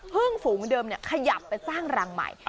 ฝูงเดิมขยับไปสร้างรังใหม่